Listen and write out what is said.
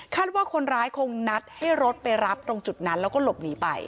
ว่าคนร้ายคงนัดให้รถไปรับตรงจุดนั้นแล้วก็หลบหนีไป